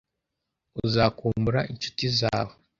Uzakumbura inshuti zawe.